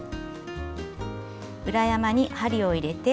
裏山に針を入れて。